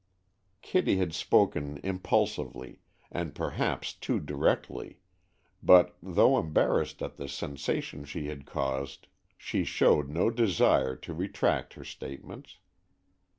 Kitty had spoken impulsively, and perhaps too directly, but, though embarrassed at the sensation she had caused, she showed no desire to retract her statements.